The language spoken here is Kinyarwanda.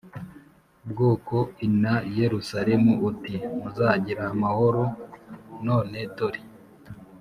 bwoko i na Yerusalemu uti muzagira amahoro j none dore